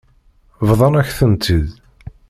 Bḍan-ak-tent-id.